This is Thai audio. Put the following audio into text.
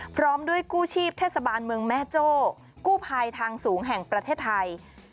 พร้อมด้วยกู้ชีพเทศบาลเมืองแม่โจ้กู้ภัยทางสูงแห่งประเทศไทย